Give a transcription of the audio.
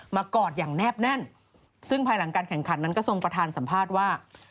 กอดอย่างแนบแน่นซึ่งภายหลังการแข่งขันนั้นก็ทรงประธานสัมภาษณ์ว่า